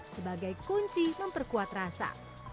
sebagai kunci memperkuat rasa